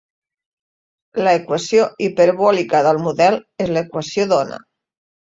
L'equació hiperbòlica del model és l'equació d'ona.